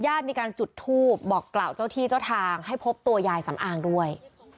ญาติมีการจุดทูปบอกกล่าวเจ้าที่เจ้าทางให้พบตัวยายสำอางด้วย